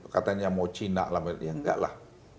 katanya mau cina ya enggak lah